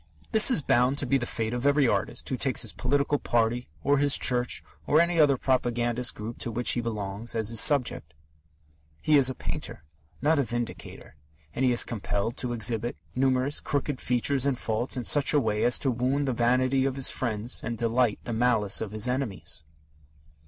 This is bound to be the fate of every artist who takes his political party or his church, or any other propagandist group to which he belongs, as his subject. He is a painter, not a vindicator, and he is compelled to exhibit numerous crooked features and faults in such a way as to wound the vanity of his friends and delight the malice of his enemies.